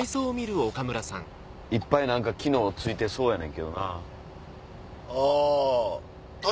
いっぱい機能付いてそうやねんけどな。